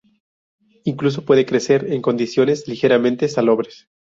Incluso puede crecer en condiciones ligeramente salobres.